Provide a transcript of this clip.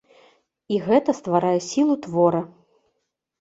І гэта стварае сілу твора.